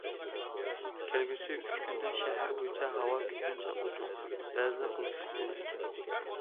كەلگۈسى ئۈچ كۈندە، شەھەر بويىچە ھاۋا كۆپىنچە ئوچۇق، بەزىدە بۇلۇتلۇق بولىدىكەن.